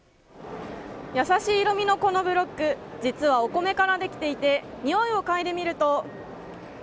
やさしい色みのこのブロック実は、お米からできていてにおいを嗅いでみると。